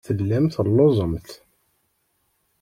Tellamt telluẓemt.